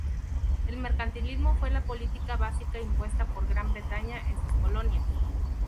El mercantilismo fue la política básica impuesta por Gran Bretaña en sus colonias.